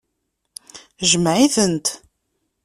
Jmeɛ-itent.